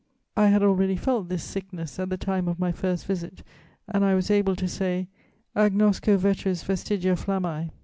I had already felt this "sickness" at the time of my first visit, and I was able to say: Agnosco veteris vestigia flammæ.